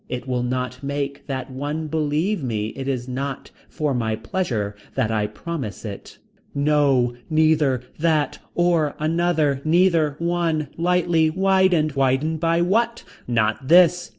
It will not make that one believe me it is not for my pleasure that I promise it. No Neither. That Or Another Neither One Lightly Widened. Widened by what. Not this.